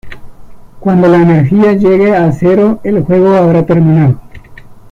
Cuando la energía llegue a cero, el juego habrá terminado.